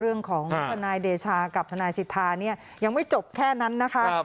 ทนายเดชากับทนายสิทธาเนี่ยยังไม่จบแค่นั้นนะคะ